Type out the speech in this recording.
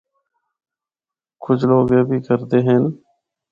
کجھ لوگ اے بھی کردے ہن۔